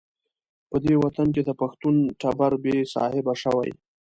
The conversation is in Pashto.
په دې وطن کې د پښتون ټبر بې صاحبه شوی.